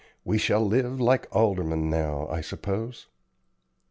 We shall live like aldermen now, I suppose."